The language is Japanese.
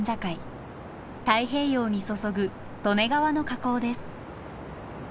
太平洋に注ぐ利根川の河口です。